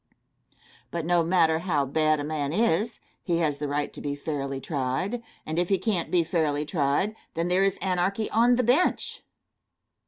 But, no matter how bad a man is, he has the right to be fairly tried; and if he cannot be fairly tried, then there is anarchy on the bench.